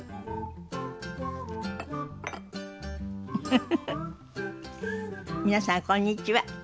フフフフ皆さんこんにちは。